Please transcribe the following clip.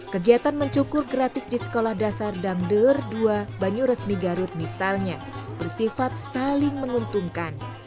kegiatan mencukur gratis di sekolah dasar dander dua banyuresmi garut misalnya bersifat saling menguntungkan